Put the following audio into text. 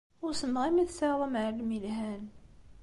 Usmeɣ imi tesɛiḍ amɛellem yelhan.